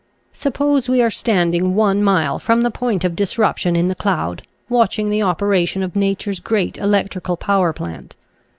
Suppose we are standing one mile from the point of disruption in the cloud, watching the operation of nature's great electrical power plant.